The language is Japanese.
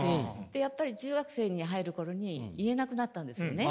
やっぱり中学生に入る頃に言えなくなったんですよね